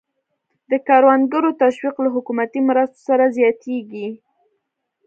د کروندګرو تشویق له حکومتي مرستو سره زیاتېږي.